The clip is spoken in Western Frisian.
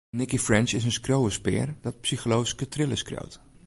Nicci French is in skriuwerspear dat psychologyske thrillers skriuwt.